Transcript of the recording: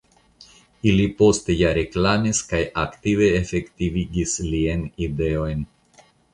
Ili poste ja reklamis kaj aktive efektivigis liajn ideojn.